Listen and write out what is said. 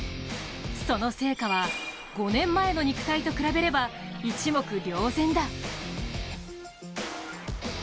そのせいかは５年前の肉体と比べれば一目瞭然だ。